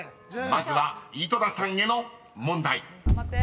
［まずは井戸田さんへの問題］